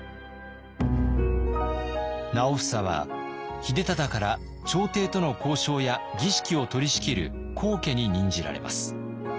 直房は秀忠から朝廷との交渉や儀式を取りしきる高家に任じられます。